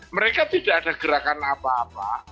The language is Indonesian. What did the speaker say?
mereka tidak ada gerakan apa apa